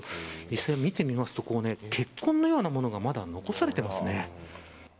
実際、見てみますと血痕のようなものがまだ残されていますね。